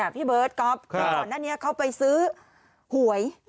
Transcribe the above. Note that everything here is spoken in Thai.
พี่เบิร์ทกรอบเดี๋ยวเลยเขาไปซื้อหวย